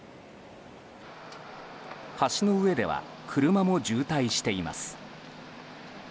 橋の上では車も渋滞しています。